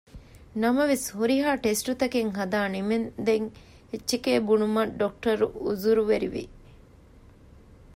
ނަމަވެސް ހުރިހާ ޓެސްޓުތަކެއް ހަދާ ނިމެންދެން އެއްޗެކޭ ބުނުމަށް ޑޮކްޓަރު އުޒުރުވެރި ވި